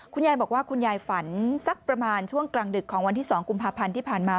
คุณยายบอกว่าคุณยายฝันสักประมาณช่วงกลางดึกของวันที่๒กุมภาพันธ์ที่ผ่านมา